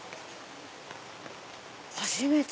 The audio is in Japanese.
初めて！